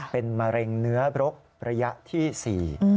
เป็นมะเร็งเนื้อบรกระยะที่๔